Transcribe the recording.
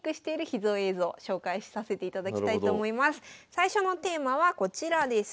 最初のテーマはこちらです。